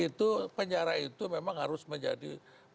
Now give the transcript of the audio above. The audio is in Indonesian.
itu penjara itu memang harus menjadi